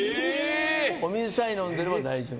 お水さえ飲んでれば大丈夫。